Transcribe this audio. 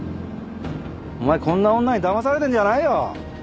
お前こんな女にだまされてんじゃないよ。